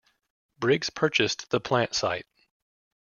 Briggs purchased the plant site.